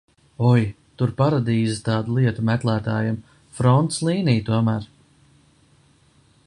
Oi, tur paradīze tādu lietu meklētājiem, frontes līnija tomēr.